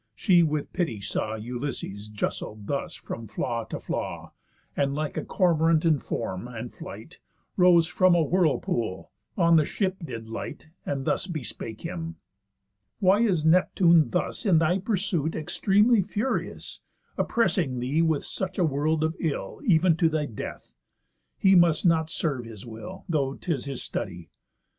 She with pity saw Ulysses justled thus from flaw to flaw, And, like a cormorant in form and flight, Rose from a whirl pool, on the ship did light, And thus bespake him: "Why is Neptune thus In thy pursuit extremely furious, Oppressing thee with such a world of ill, Ev'n to thy death? He must not serve his will, Though 'tis his study.